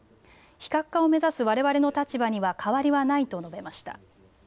非核化を目指すわれわれの立場には変わりはないと述べました。